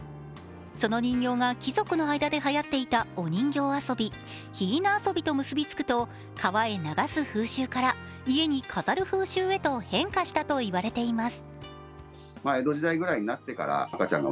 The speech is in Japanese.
その人形が貴族の間ではやっていたお人形遊び、ひいな遊びと結び付くと川へ流す風習から家に飾る風習へと変化したといわれています。